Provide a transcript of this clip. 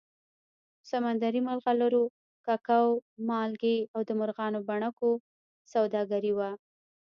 سمندري مرغلرو، ککو، مالګې او د مرغانو بڼکو سوداګري وه